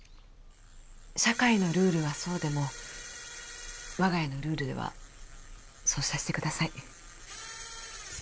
社会のルールはそうでも我が家のルールではそうさせてください